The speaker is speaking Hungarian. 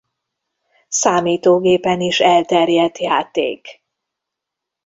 Számítógépen is elterjedt játék.